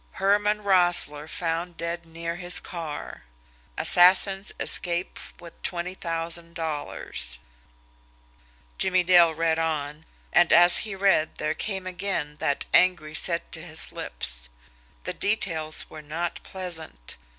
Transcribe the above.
HERMAN ROESSLE FOUND DEAD NEAR HIS CAR. ASSASSINS ESCAPE WITH $20,000. Jimmie Dale read on and as he read there came again that angry set to his lips. The details were not pleasant.